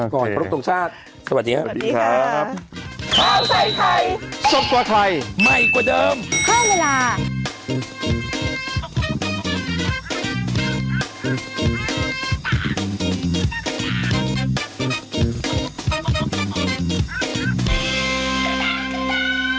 ก่อนพระรับตรงชาติสวัสดีครับสวัสดีค่ะสวัสดีค่ะสวัสดีครับ